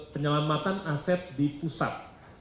penyelamatan aset di pusat